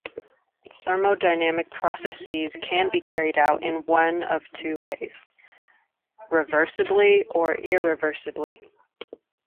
Thermodynamic processes can be carried out in one of two ways: reversibly or irreversibly.